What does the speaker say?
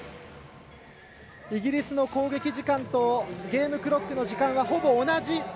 イギリスの攻撃時間とゲームクロックの時間はほぼ同じ。